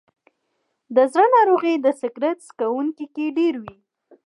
د زړه ناروغۍ د سګرټ څکونکو کې ډېرې وي.